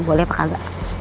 boleh apa enggak